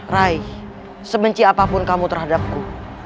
raih sebenci apapun kamu terhadapku